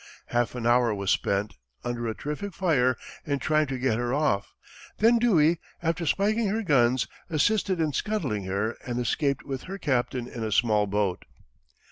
Half an hour was spent, under a terrific fire, in trying to get her off; then Dewey, after spiking her guns, assisted in scuttling her and escaped with her captain in a small boat.